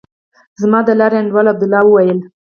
زما د لارې انډيوال عبدالله وويل.